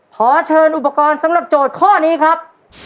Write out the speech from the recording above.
ขอเชิญอุปกรณ์สำหรับโจทย์ข้อนี้ครับ